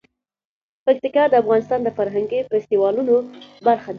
پکتیکا د افغانستان د فرهنګي فستیوالونو برخه ده.